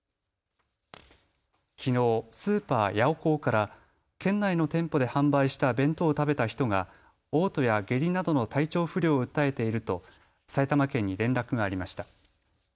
きのうスーパー、ヤオコーから県内の店舗で販売した弁当を食べた人がおう吐や下痢などの体調不良を訴えていると埼玉県に連絡がありました。